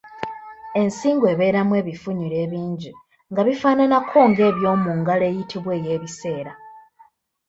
Ensingo ebeeramu ebifunyiro ebingi nga bifaananako ng’ebyomungalo eyitibwa ey’ebiseera.